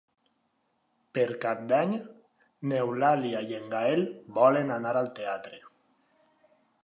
Per Cap d'Any n'Eulàlia i en Gaël volen anar al teatre.